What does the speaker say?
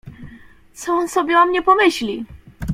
Co on sobie o mnie pomyśli!